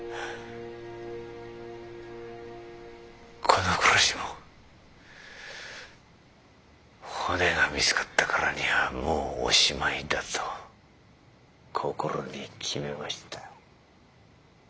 この暮らしも骨が見つかったからにはもうおしまいだと心に決めました。